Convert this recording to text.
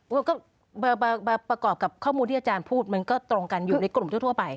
ประกอบกับข้อมูลที่อาจารย์พูดมันก็ตรงกันอยู่ในกลุ่มทั่วไป